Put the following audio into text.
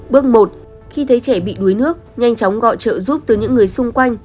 bước một khi thấy trẻ bị đuối nước nhanh chóng gọi trợ giúp từ những người xung quanh